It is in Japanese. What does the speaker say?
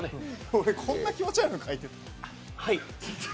俺、こんな気持ち悪いの描いてた？